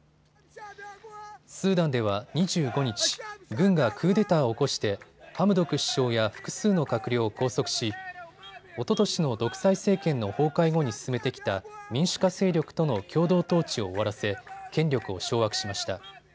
スーダンでは２５日、軍がクーデターを起こしてハムドク首相や複数の閣僚を拘束しおととしの独裁政権の崩壊後に進めてきた民主化勢力との共同統治を終わらせ権力を掌握しました。